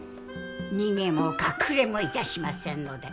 逃げも隠れもいたしませんので。